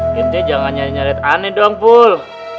gitu jangan nyari nyari aneh doang pul